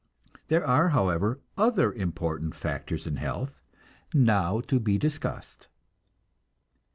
There are, however, other important factors of health, now to be discussed.